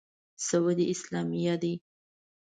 سعودي اسلامه دی.